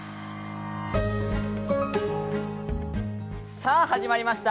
さあ始まりました。